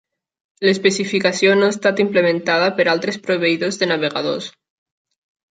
L'especificació no ha estat implementada per altres proveïdors de navegadors.